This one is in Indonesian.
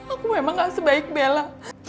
aku memang gak sebaik bela